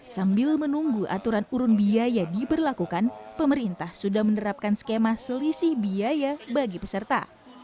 sambil menunggu aturan urun biaya diberlakukan pemerintah sudah menerapkan skema selisih biaya bagi peserta